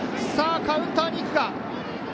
カウンターに行くか。